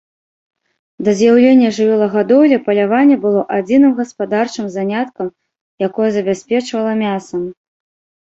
Да з'яўлення жывёлагадоўлі паляванне было адзіным гаспадарчым заняткам, якое забяспечвала мясам.